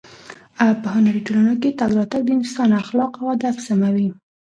په هنري ټولنو کې تګ راتګ د انسان اخلاق او ادب سموي.